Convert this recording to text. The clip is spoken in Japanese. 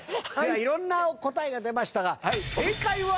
いろんな答えが出ましたが正解は？